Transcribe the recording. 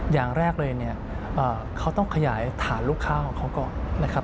อย่างแรกเลยเขาต้องขยายฐานลูกค้าของเขาอ่อน